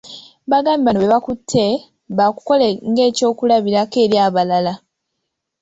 Bagambye bano be bakutte baakukola ng'ekyokulabirako eri abalala.